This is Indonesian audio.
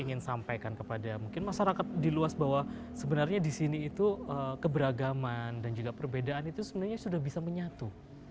ingin sampaikan kepada mungkin masyarakat di luas bahwa sebenarnya di sini itu keberagaman dan juga perbedaan itu sebenarnya sudah bisa menyatu